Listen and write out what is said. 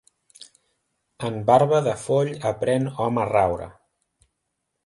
En barba de foll aprèn hom a raure.